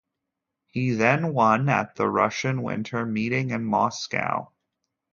He then won at the Russian Winter Meeting in Moscow.